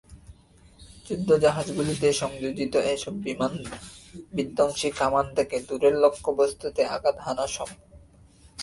যুদ্ধজাহাজগুলোতে সংযোজিত এসব বিমানবিধ্বংসী কামান থেকে দূরের লক্ষ্যবস্তুতে আঘাত হানা সম্ভব।